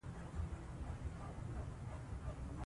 د جبار په دې خبره کريم ډېر خپه شو.